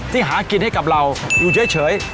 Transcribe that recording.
หากินให้กับเราอยู่เฉย